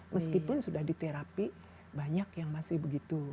meskipun sudah diterapi banyak yang masih begitu